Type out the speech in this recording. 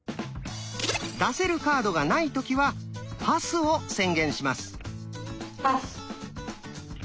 出せるカードがない時は「パス」を宣言します。